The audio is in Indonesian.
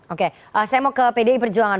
oke saya mau ke pdi perjuangan